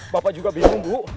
bapak juga bingung bu